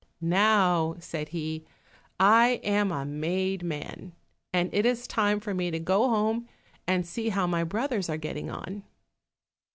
"Now," said he, "I am a made man, and it is time for me to go home and see how my brothers are getting on."